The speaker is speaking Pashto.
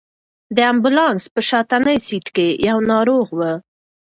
د امبولانس په شاتني سېټ کې یو ناروغ و.